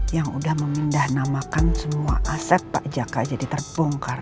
yang udah memindahnamakan semua aset pak jaka jadi terbongkar